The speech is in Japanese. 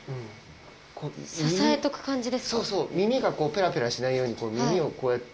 そうそう耳がこうペラペラしないように耳をこうやって。